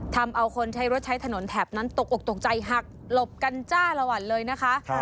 ทำเอาคนใช้รถใช้ถนนแถบนั้นตกอกตกใจหักหลบกันจ้าละวันเลยนะคะ